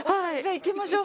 行きましょう。